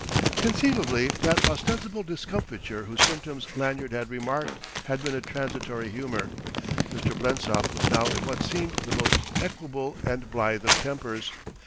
Conceivably that ostensible discomfiture whose symptoms Lanyard had remarked had been a transitory humour. Mr. Blensop was now in what seemed the most equable and blithe of tempers.